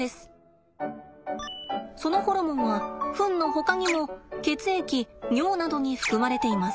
そのホルモンはフンのほかにも血液尿などに含まれています。